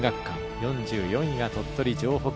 ４４位が鳥取城北。